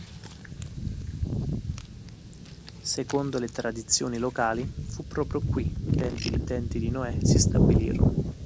Secondo le tradizioni locali, fu proprio qui che i discendenti di Noè si stabilirono.